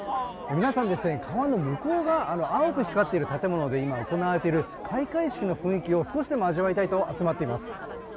皆さん、川の向こう側青く光っている建物で今、行われている開会式の雰囲気を少しでも味わいたいと集まっています。